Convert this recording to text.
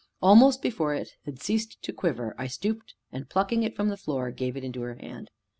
Almost before it had ceased to quiver I stooped, and, plucking it from the floor, gave it into her hand.